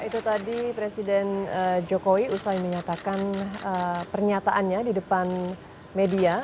itu tadi presiden jokowi usai menyatakan pernyataannya di depan media